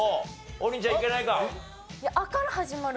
王林ちゃんいけないか？